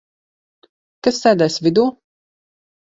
Kas sēdēs vidū?